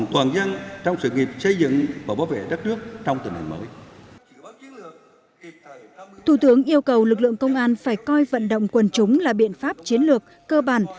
thủ tướng yêu cầu lực lượng công an phải coi vận động quân chúng là biện pháp chiến lược cơ bản